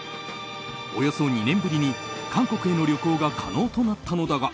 およそ２年ぶりに韓国への旅行が可能となったのだが